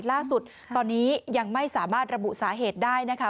ล่าสุดตอนนี้ยังไม่สามารถระบุสาเหตุได้นะคะ